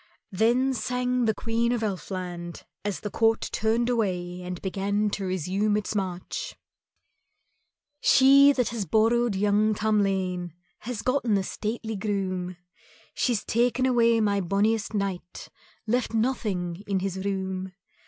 Then sang the Queen of Elfland as the court turned away and began to resume its march: "She that has borrowed young Tamlane Has gotten a stately groom, She's taken away my bonniest knight, Left nothing in his room.